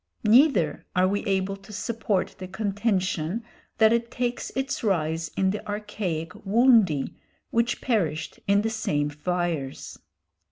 Neither are we able to support the contention that it takes its rise in the archaic "woundy," which perished in the same fires.